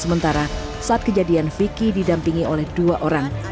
sementara saat kejadian vicky didampingi oleh dua orang